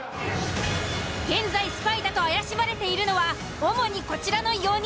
現在スパイだと怪しまれているのは主にこちらの４人。